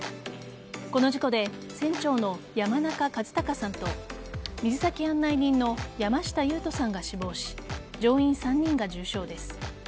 この事故で船長の山中和孝さんと水先案内人の山下勇人さんが死亡し乗員３人が重傷です。